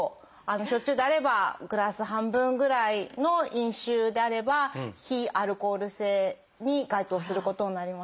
焼酎であればグラス半分ぐらいの飲酒であれば非アルコール性に該当することになります。